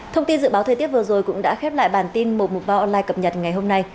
thông tin dự báo thời tiết vừa rồi cũng đã khép lại bản tin một mục bao online cập nhật ngày hôm nay